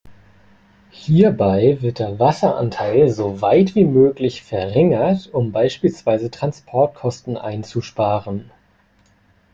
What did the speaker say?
Hierbei wird der Wasseranteil so weit wie möglich verringert, um beispielsweise Transportkosten einzusparen.